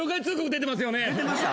出てました？